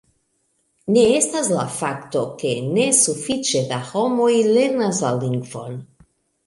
Ne estas la fakto, ke ne sufiĉe da homoj lernas la lingvon.